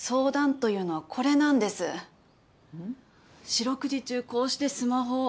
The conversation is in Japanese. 四六時中こうしてスマホを。